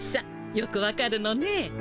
よくわかるのね。